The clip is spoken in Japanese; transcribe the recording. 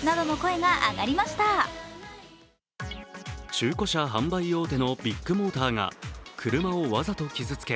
中古車販売大手のビッグモーターが車をわざと傷つけ